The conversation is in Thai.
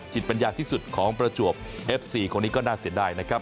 ปัญญาที่สุดของประจวบเอฟซีคนนี้ก็น่าเสียดายนะครับ